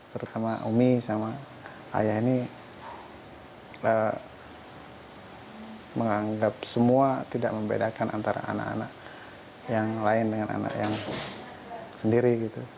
terutama umi sama ayah ini menganggap semua tidak membedakan antara anak anak yang lain dengan anak yang sendiri